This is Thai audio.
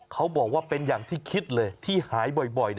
เขาบอกว่าเป็นอย่างที่คิดเลยที่หายบ่อย